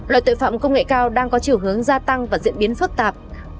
loại tội phạm công nghệ cao đang có chiều hướng gia tăng và diễn biến phức tạp